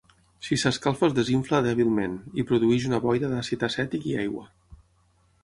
Si s'escalfa es desinfla dèbilment, i produeix una boira d'àcid acètic i aigua.